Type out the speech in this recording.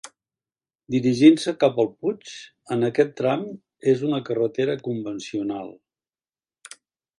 Dirigint-se cap al Puig, en aquest tram és una carretera convencional.